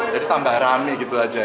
jadi tambah rame gitu saja